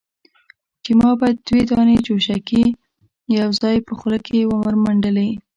چې ما به دوې دانې چوشکې يوځايي په خوله کښې ورمنډلې.